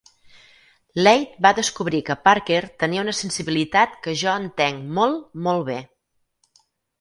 Leigh va descobrir que Parker tenia una sensibilitat que jo entenc molt, molt bé.